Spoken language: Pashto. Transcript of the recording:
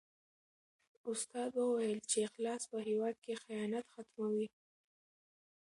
استاد وویل چې اخلاص په هېواد کې خیانت ختموي.